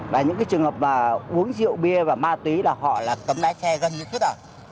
và những trường hợp uống rượu bia và ma túy là họ cấm lái xe gần nhất hết rồi